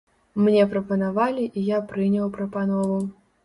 Мне прапанавалі, і я прыняў прапанову.